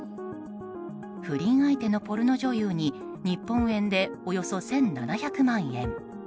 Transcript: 不倫相手のポルノ女優に日本円でおよそ１７００万円。